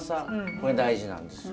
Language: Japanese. これ大事なんですよ。